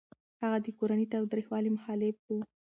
هغه د کورني تاوتريخوالي مخالف و.